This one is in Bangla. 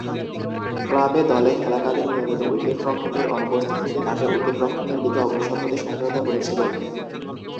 ক্লাব দলে খেলাকালীন নিয়মিত উইকেট-রক্ষকের অনুপস্থিতিতে তাকে উইকেট-রক্ষণের দিকে অগ্রসর হতে সহায়তা করেছিল।